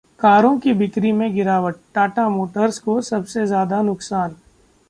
कारों की बिक्री में गिरावट, टाटा मोटर्स को सबसे ज्यादा नुकसान